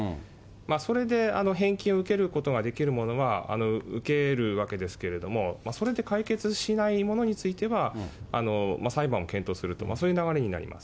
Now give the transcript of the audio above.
それで、返金を受けることができるものは受けるわけですけれども、それで解決しないものについては、裁判を検討すると、そういう流れになります。